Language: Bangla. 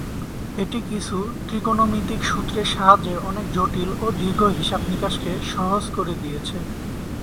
এটি কিছু ত্রিকোণমিতিক সূত্রের সাহায্যে অনেক জটিল ও দীর্ঘ হিসাব-নিকাশকে সহজ করে দিয়েছে।